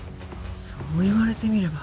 そう言われてみれば。